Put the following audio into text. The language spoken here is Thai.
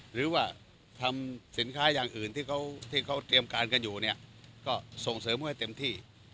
หรือว่าทำสินค้าอย่างอื่นที่เขาเตรียมการกันอยู่เนี่ยก็ส่งเสริมให้เต็มที่